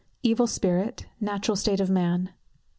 _Evil Spirit. Natural State of Man.